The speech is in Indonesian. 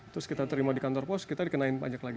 terus kita terima di kantor pos kita dikenain pajak lagi